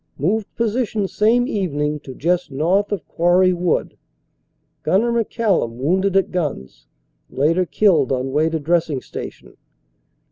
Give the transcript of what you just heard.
Moved position same evening to just north of Quarry Wood. Gunner McCallum wounded at guns, later killed on way to dressing station.